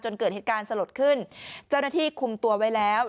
เกิดเหตุการณ์สลดขึ้นเจ้าหน้าที่คุมตัวไว้แล้ว